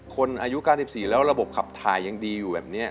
คนอายุ๙๔แล้วระบบขับถ่ายยังดีอยู่แบบนี้